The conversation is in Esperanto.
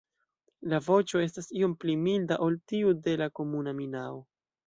La voĉo estas iom pli milda ol tiu de la Komuna minao.